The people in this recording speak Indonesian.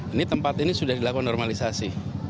ini tempat ini sudah dilakukan normalisasi